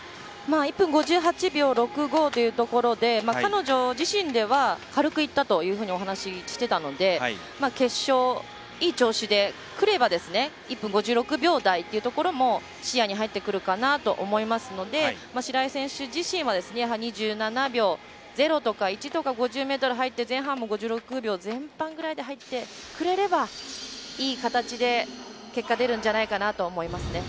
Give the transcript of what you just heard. １分５８秒６５というところで彼女自身では軽くいったというふうにお話をしてたので決勝、いい調子でくれば１分５６秒台っていうところも視野に入ってくるかなと思いますので白井選手自身は２７秒０とか１とか５０ｍ入って、前半も５６秒前半くらいで入ってくれればいい形で結果が出るんじゃないかなと思いますね。